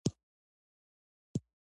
د مېلو فضا د رنګونو، خندا او شوق ډکه يي.